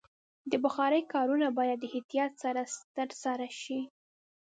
د بخارۍ کارونه باید د احتیاط سره ترسره شي.